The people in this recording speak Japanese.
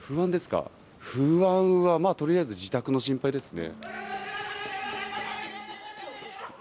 不安は、とりあえず自宅の心配ですね。